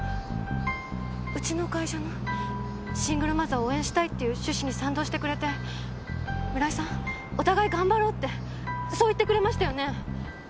うちの会社のシングルマザーを応援したいっていう趣旨に賛同してくれて村井さんお互い頑張ろうってそう言ってくれましたよね？